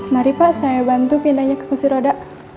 mari pak saya bantu pindahnya ke kursi roda